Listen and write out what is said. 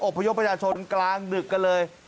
อบพยพญาชนกลางดึกกันเลย